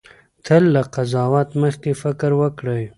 تل له قضاوت مخکې فکر وکړئ.